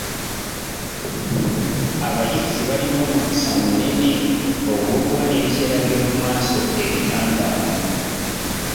Abayizi balina omukisa munene ogw'okuba n'ebiseera by'omu maaso ebitangaavu.